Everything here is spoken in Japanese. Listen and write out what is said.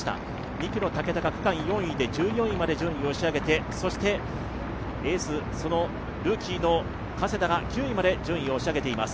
２区の武田が１４位まで順位を押し上げてエースのルーキー・加世田が９位まで順位を押し上げています。